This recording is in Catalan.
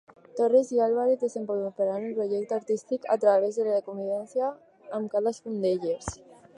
Torres i Álvarez desenvoluparan el projecte artístic a través de la convivència amb cadascun d'ells.